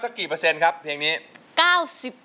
กี่เปอร์เซ็นต์ครับเพลงนี้